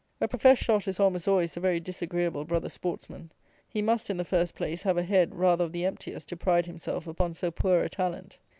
A professed shot is, almost always, a very disagreeable brother sportsman. He must, in the first place, have a head rather of the emptiest to pride himself upon so poor a talent.